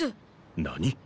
何？